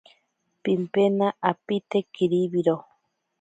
Pimpenaro apite kiribiro.